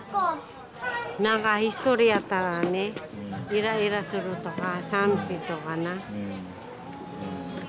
なんか１人やったらねイライラするとか寂しいとかな。